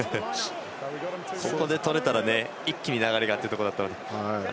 ここで取れたら一気に流れがというところでした。